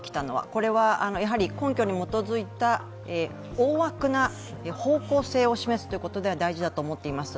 これは、根拠に基づいた大枠な方向性を示すということでは大事だと思っています。